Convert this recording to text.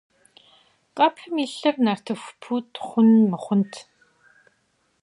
Къэпым илъыр нартыху пут хъун-мыхъунт.